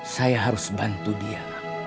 saya harus bantu dia